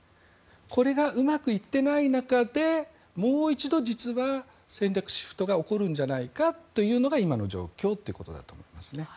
これがうまくいっていない中でもう一度、実は戦略シフトが起こるんじゃないかというのが今の状況ということだと思いますね。